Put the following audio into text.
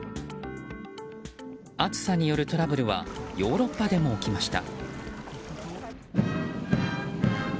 暑さによるトラブルはヨーロッパでも起きました。